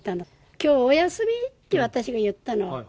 きょうお休み？って私が言ったの。